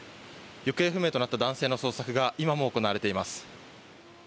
行方不明となった男性の捜索が今も行われています。